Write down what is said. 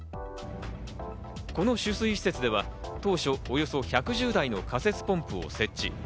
この取水施設では当初、およそ１１０台の仮設ポンプを設置。